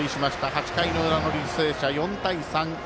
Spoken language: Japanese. ８回の裏の履正社、４対３。